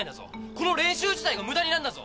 この練習自体が無駄になんだぞ。